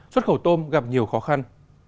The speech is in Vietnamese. xuất khẩu tôm gặp nhiều khó khăn